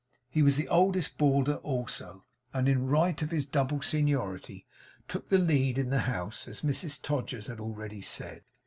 He was the oldest boarder also; and in right of his double seniority, took the lead in the house, as Mrs Todgers had already said.